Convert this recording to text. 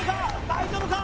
大丈夫か？